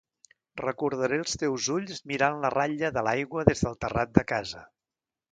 Recordaré els teus ulls mirant la ratlla de l'aigua des del terrat de casa.